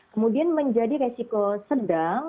kemudian menjadi risiko sedang